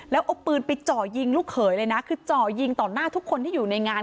แล้วเอาปืนไปจ่อยิงลูกเขยเลยนะคือจ่อยิงต่อหน้าทุกคนที่อยู่ในงาน